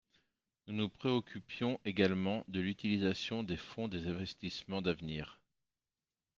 Nous nous préoccupions également de l’utilisation des fonds des investissements d’avenir.